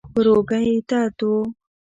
پر اوږه کې يې درد و.